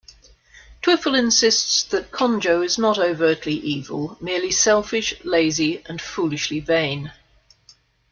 Twiffle insists that Conjo is not overtly evil, merely selfish, lazy, and foolishly vain.